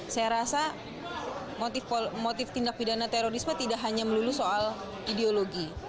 saya rasa motif tindak pidana terorisme tidak hanya melulu soal ideologi